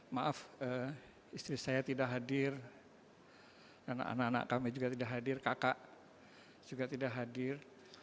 maaf istri saya tidak hadir dan anak anak kami juga tidak hadir kakak juga tidak hadir